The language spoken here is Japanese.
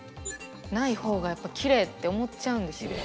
ない方がやっぱりきれいって思っちゃうんですよ。